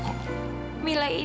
kau mau pergi